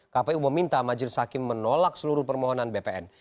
kpu meminta majelis hakim menolak seluruh permohonan bpn